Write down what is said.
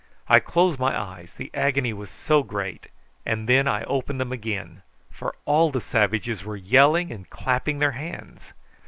I closed my eyes, the agony was so great; and then I opened them again, for all the savages were yelling and clapping their hands.